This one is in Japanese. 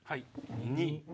２。